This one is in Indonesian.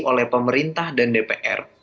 oleh pemerintah dan dpr